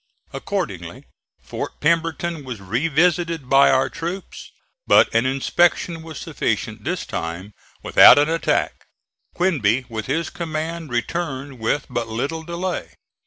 Accordingly Fort Pemberton was revisited by our troops; but an inspection was sufficient this time without an attack. Quinby, with his command, returned with but little delay.